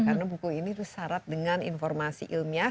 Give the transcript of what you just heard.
karena buku ini itu syarat dengan informasi ilmiah